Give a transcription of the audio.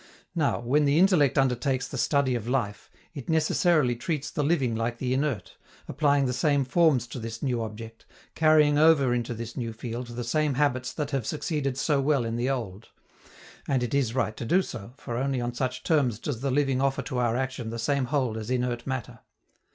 Now, when the intellect undertakes the study of life, it necessarily treats the living like the inert, applying the same forms to this new object, carrying over into this new field the same habits that have succeeded so well in the old; and it is right to do so, for only on such terms does the living offer to our action the same hold as inert matter.